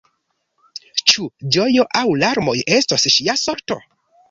Ĉu ĝojo aŭ larmoj estos ŝia sorto?